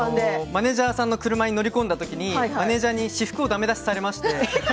マネージャーさんの車の猫に乗り込んだときに私服をだめ出しされました。